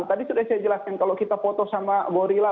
tadi sudah saya jelaskan kalau kita foto sama gorilla